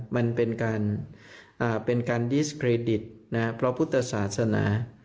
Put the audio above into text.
มันเป็นการเป็นการดิสเครดิตนะฮะพระพุทธศาสนา